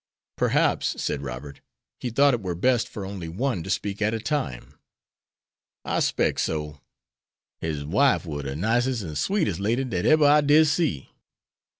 "Perhaps," said Robert, "he thought it were best for only one to speak at a time." "I specs so. His wife war de nicest and sweetest lady dat eber I did see.